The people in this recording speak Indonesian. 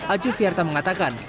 acu fiarta mengatakan